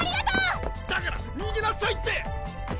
だからにげなさいって！